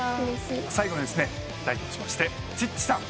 最後に代表しましてチッチさん。